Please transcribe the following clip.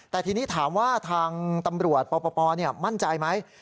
แต่ทีนี้ถามว่าทางตำรวจปปมั่นใจไหม